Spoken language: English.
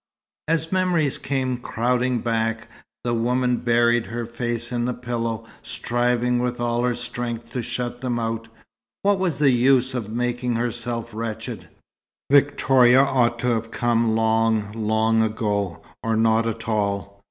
As memories came crowding back, the woman buried her face in the pillow, striving with all her might to shut them out. What was the use of making herself wretched? Victoria ought to have come long, long ago, or not at all.